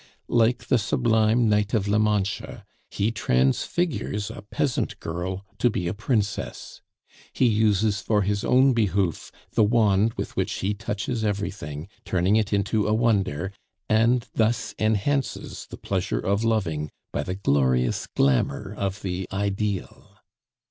Like the sublime Knight of la Mancha, he transfigures a peasant girl to be a princess. He uses for his own behoof the wand with which he touches everything, turning it into a wonder, and thus enhances the pleasure of loving by the glorious glamour of the ideal.